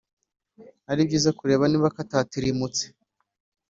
ari byiza kureba niba katatirimutse